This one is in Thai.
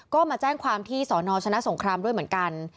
ก็มาแจ้งความที่สอนอชนะสงครามด้วยเหมือนกัน